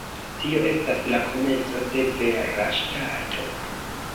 Tio estas la komenco de vera ŝtato.